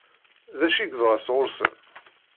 D acu i yebɣa sɣur-sen?